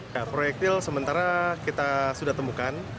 nah proyek til sementara kita sudah temukan